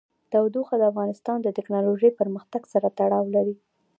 تودوخه د افغانستان د تکنالوژۍ پرمختګ سره تړاو لري.